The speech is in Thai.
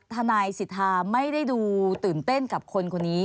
ทนายสิทธาไม่ได้ดูตื่นเต้นกับคนคนนี้